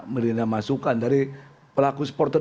menerima masukan dari pelaku supporter